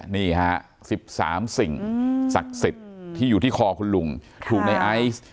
นี่ฮะ๑๓สิ่งศักดิ์สิทธิ์ที่อยู่ที่คอคุณลุงถูกในไอซ์